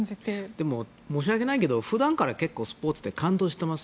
でも申し訳ないけど普段からスポーツで感動しています。